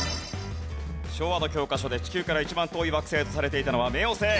昭和の教科書で地球から一番遠い惑星とされていたのは冥王星。